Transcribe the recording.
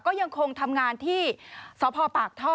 ก็ยังคงทำงานที่สพปากท่อ